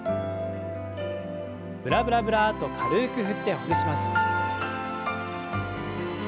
ブラブラブラッと軽く振ってほぐします。